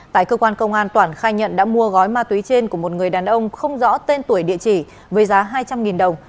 tại cơ quan công an toản khai nhận đã mua gói ma túy trên của một người đàn ông không rõ tên tuổi địa chỉ với giá hai trăm linh đồng